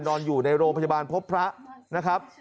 นอนอยู่ในโรงพยาบาลพบพระนะครับ